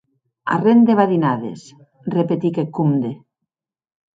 Arren de badinades!, repetic eth comde.